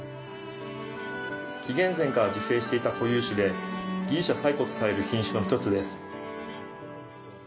紀元前から自生していた固有種でギリシャ最古とされる品種の１つです。